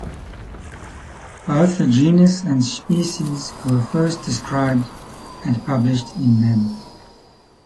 Both the genus and species were first described and published in Mem.